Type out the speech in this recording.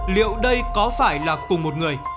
liệu đây có phải là cùng một người